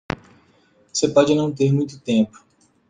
Você pode não ter muito tempo.